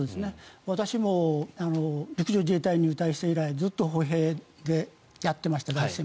私も陸上自衛隊に入隊して以来ずっと歩兵でやってました。